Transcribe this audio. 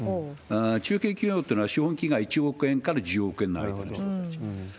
中堅企業っていうのは、資本金が１億円から１０億円の間の人たち。